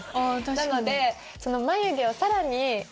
なので。